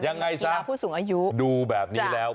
ยังไงซะดูแบบนี้แล้ว